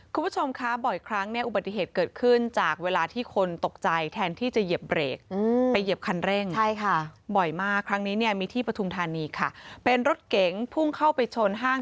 คุณผู้ชมคะบ่อยครั้งเนี่ยอุบัติเหตุเกิดขึ้นจากเวลาที่คนตกใจแทนที่จะเหยียบเบรกไปเหยียบคันเร่งใช่ค่ะบ่อยมากครั้งนี้เนี่ยมีที่ปฐุมธานีค่ะเป็นรถเก๋งพุ่งเข้าไปชนห้าง